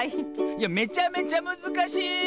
いやめちゃめちゃむずかしい！